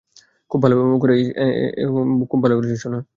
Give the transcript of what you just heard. খুব ভালো করেছ এনে, সোনা।